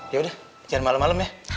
yaudah jalan malem malem ya